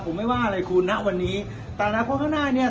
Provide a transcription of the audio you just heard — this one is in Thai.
ผมไม่ว่าอะไรคุณนะวันนี้แต่อนาคตข้างหน้าเนี้ย